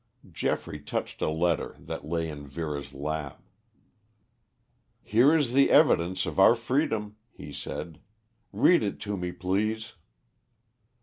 Geoffrey touched a letter that lay in Vera's lap. "Here is the evidence of our freedom," he said. "Read it to me, please."